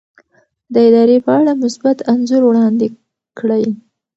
د ادارې په اړه مثبت انځور وړاندې کړئ.